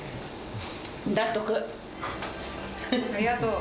ありがとう。